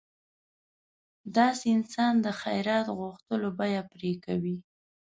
داسې انسان د خیرات غوښتلو بیه پرې کوي.